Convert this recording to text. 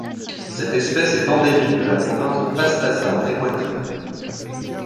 Cette espèce est endémique de la province de Pastaza en Équateur.